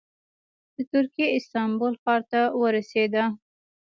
د ترکیې استانبول ښار ته ورسېده.